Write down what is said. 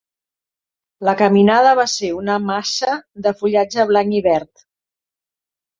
La caminada va ser una massa de fullatge blanc i verd.